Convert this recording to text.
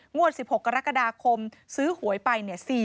งวด๑๖กรกฎาคมซื้อหวยไป